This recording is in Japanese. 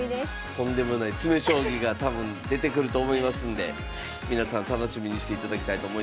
とんでもない詰将棋が多分出てくると思いますんで皆さん楽しみにしていただきたいと思います。